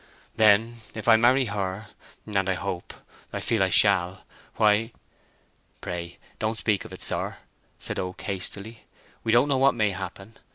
Then, if I marry her—and I hope—I feel I shall, why—" "Pray don't speak of it, sir," said Oak, hastily. "We don't know what may happen.